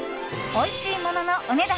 おいしいもののお値段